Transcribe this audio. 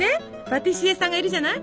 パティシエさんがいるじゃない？